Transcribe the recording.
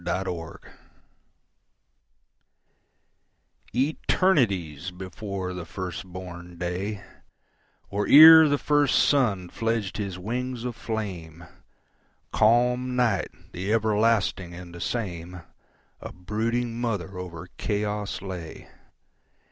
Mother Night ETERNITIES before the first born day, Or ere the first sun fledged his wings of flame, Calm Night, the everlasting and the same,A brooding mother over chaos lay.